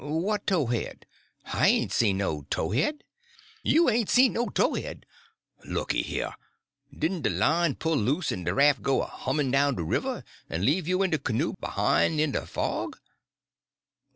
What tow head? I hain't see no tow head." "You hain't seen no towhead? Looky here, didn't de line pull loose en de raf' go a hummin' down de river, en leave you en de canoe behine in de fog?"